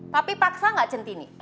papi paksa gak centini